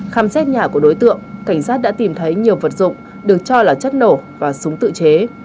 khám xét nhà của đối tượng cảnh sát đã tìm thấy nhiều vật dụng được cho là chất nổ và súng tự chế